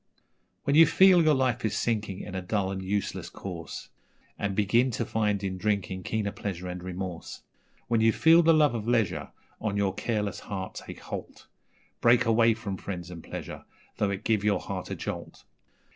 'When you feel your life is sinking in a dull and useless course, And begin to find in drinking keener pleasure and remorse When you feel the love of leisure on your careless heart take holt, Break away from friends and pleasure, though it give your heart a jolt.